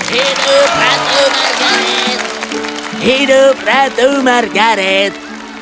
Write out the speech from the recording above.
hidup ratu margaret